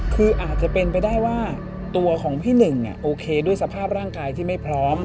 คืออาจจะเป็นไปได้ว่าตัวของพี่หนึ่งเนี่ยโอเคด้วยสภาพร่างกายที่ไม่พร้อม